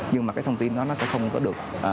nhưng mà cái thông tin đó nó sẽ không có được